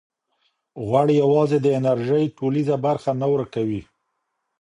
غوړ یوازې د انرژۍ ټولیزه برخه نه ورکوي.